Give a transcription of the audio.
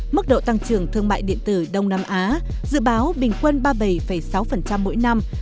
mức độ tăng trưởng thương mại điện tử đông nam á dự báo bình quân ba mươi bảy sáu mỗi năm